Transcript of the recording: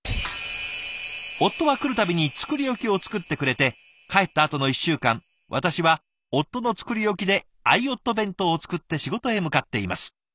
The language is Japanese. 「夫は来るたびに作り置きを作ってくれて帰ったあとの１週間私は夫の作り置きで愛夫弁当を作って仕事へ向かっています」ですって。